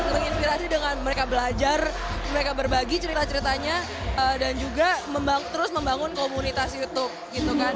menginspirasi dengan mereka belajar mereka berbagi cerita ceritanya dan juga terus membangun komunitas youtube